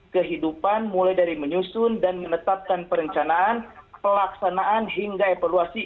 kehidupan mulai dari menyusun dan menetapkan perencanaan pelaksanaan hingga evaluasi